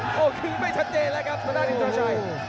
โอ้คือไม่ชัดเจนแล้วครับตรงด้านอินเตอร์ชัย